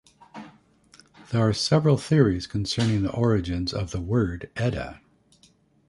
There are several theories concerning the origins of the word "edda".